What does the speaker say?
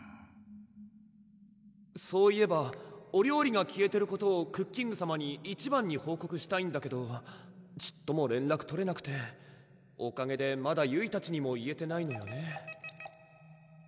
そういえばお料理が消えてることをクッキングさまに一番に報告したいんだけどちっとも連絡取れなくておかげでまだゆいたちにも言えてないのよね